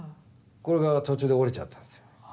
これが途中で折れちゃったんですよ。